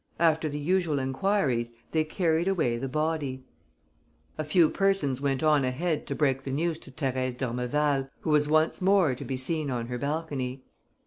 After the usual enquiries, they carried away the body. A few persons went on ahead to break the news to Thérèse d'Ormeval, who was once more to be seen on her balcony.